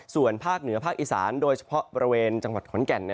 ส่วนภาคเหนือภาคอีสานโดยเฉพาะบริเวณจังหวัดขอนแก่น